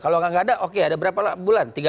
kalau nggak ada oke ada berapa bulan